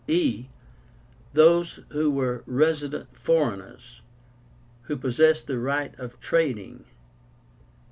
e. Those who were RESIDENT FOREIGNERS, who possessed the right of trading.